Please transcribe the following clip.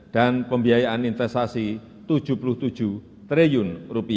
dan pembiayaan investasi rp tujuh puluh tujuh triliun